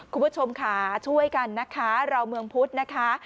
คุณผู้ชมค่ะช่วยกันนะคะเราเมืองพุธนะคะ